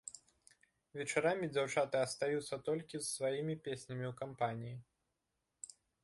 Вечарамі дзяўчаты астаюцца толькі з сваімі песнямі ў кампаніі.